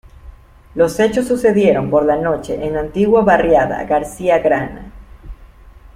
Los hechos sucedieron por la noche en la antigua barriada García Grana.